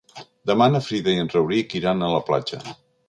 Demà na Frida i en Rauric iran a la platja.